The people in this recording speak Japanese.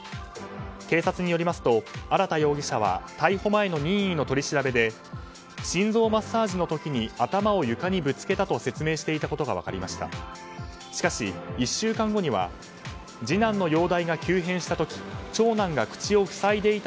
警察によりますと荒田容疑者は逮捕前の任意の取り調べで心臓マッサージの時に頭を床にぶつけたと説明していたことが分かりました。